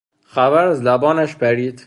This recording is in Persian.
خبر از لبانش پرید.